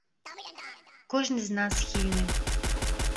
Кожны з нас схільны.